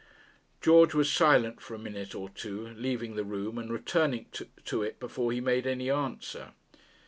George was silent for a minute or two, leaving the room and returning to it before he made any answer.